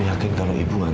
aku yakin kalau ibu gak mau